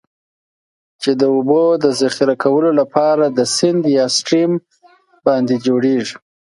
چې د اوبو د ذخیره کولو لپاره د سیند یا Stream باندی جوړیږي.